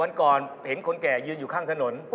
วันก่อนเห็นคนแก่ยืนอยู่ข้างถนน